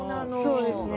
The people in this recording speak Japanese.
そうですね。